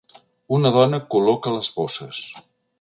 Una dona col·loca les bosses.